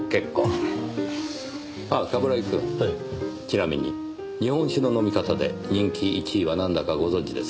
ちなみに日本酒の飲み方で人気１位はなんだかご存じですか？